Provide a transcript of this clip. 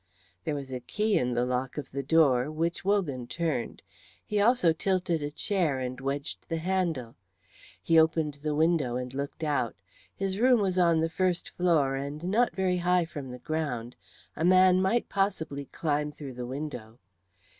There was a key in the lock of the door, which Wogan turned; he also tilted a chair and wedged the handle. He opened the window and looked out. His room was on the first floor and not very high from the ground. A man might possibly climb through the window.